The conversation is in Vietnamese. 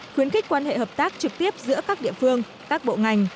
khuyến khích quan hệ hợp tác trực tiếp giữa các địa phương các bộ ngành